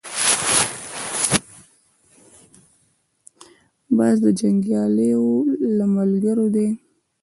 باز د جنګیالیو له ملګرو دی